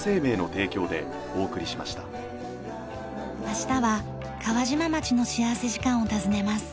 明日は川島町の幸福時間を訪ねます。